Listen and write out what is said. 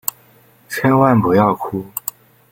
千万不要哭！